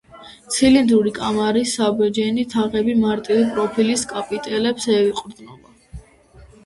ცილინდრული კამარის საბჯენი თაღები მარტივი პროფილის კაპიტელებს ეყრდნობა.